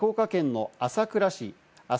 こちら福岡県の朝倉市。